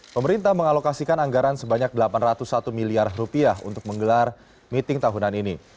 pemerintah mengalokasikan anggaran sebanyak delapan ratus satu miliar rupiah untuk menggelar meeting tahunan ini